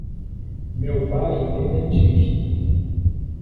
Meu pai é dentista.